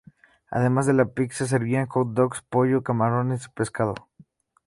Además de la pizza, servían hot dogs, pollo, camarones y pescado.